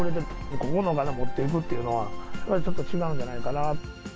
ここのお金、持っていくというのは、やっぱちょっと違うんじゃないかな。